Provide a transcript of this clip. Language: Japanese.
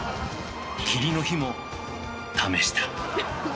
霧の日も試した。